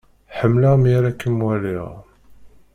Ḥemmleɣ mi ara akem-waliɣ.